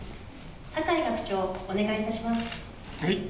酒井学長、お願いいたします。